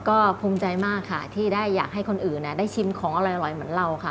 ก็ภูมิใจมากค่ะที่ได้อยากให้คนอื่นได้ชิมของอร่อยเหมือนเราค่ะ